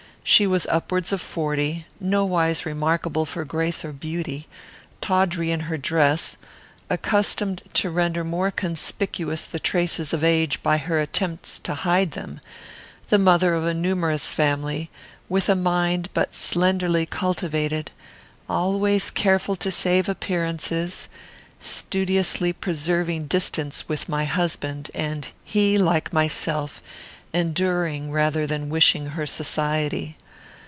She was upwards of forty, nowise remarkable for grace or beauty; tawdry in her dress; accustomed to render more conspicuous the traces of age by her attempts to hide them; the mother of a numerous family, with a mind but slenderly cultivated; always careful to save appearances; studiously preserving distance with my husband, and he, like myself, enduring rather than wishing her society.